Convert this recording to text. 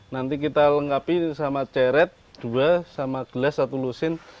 nanti kita lengkapi sama ceret dua sama gelas satu lusin